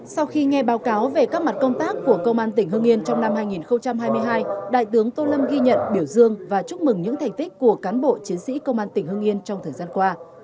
sau khi nghe báo cáo về các mặt công tác của công an tỉnh hương yên trong năm hai nghìn hai mươi hai đại tướng tô lâm ghi nhận biểu dương và chúc mừng những thành tích của cán bộ chiến sĩ công an tỉnh hương yên trong thời gian qua